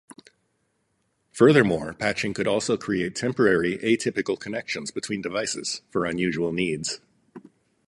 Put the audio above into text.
Furthermore, patching could also create temporary atypical connections between devices for unusual needs.